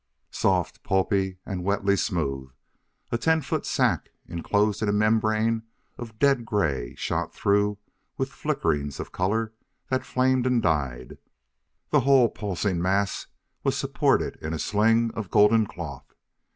Soft, pulpy and wetly smooth a ten foot sac, enclosed in a membrane of dead gray shot through with flickerings of color that flamed and died the whole pulsing mass was supported in a sling of golden cloth.